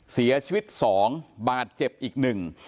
เสียชีวิตสองบาดเจ็บอีกหนึ่ง